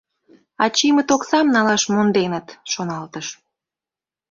«Ачиймыт оксам налаш монденыт, — шоналтыш.